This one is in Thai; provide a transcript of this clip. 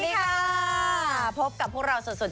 เจอร์ดี้ค่าพบกับพวกเราสด